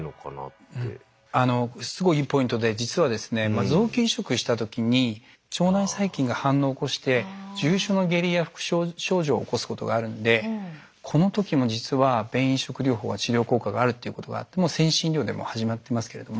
あのすごいいいポイントで実はですね臓器移植したときに腸内細菌が反応を起こして重症な下痢や副症状を起こすことがあるんでこのときも実は便移植療法は治療効果があるっていうことはもう先進医療でも始まってますけれども。